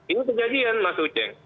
ini kejadian mas uceng